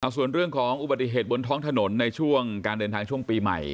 ส่วนเรื่องของอุบัติเหตุบนท้องถนนในช่วงการเดินทางช่วงปีใหม่